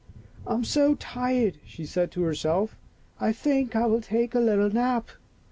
" I'm so tired," she said to herself, " I think I will take a little nap.